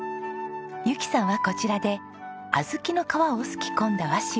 由紀さんはこちらで小豆の皮をすき込んだ和紙をお願いしています。